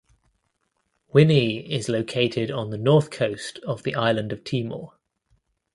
Wini is located on the north coast of the island of Timor.